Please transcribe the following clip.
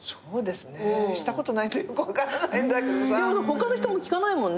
他の人も聞かないもんね。